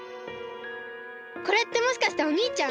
これってもしかしておにいちゃん？